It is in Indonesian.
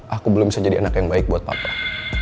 aku belum bisa jadi anak yang baik buat papa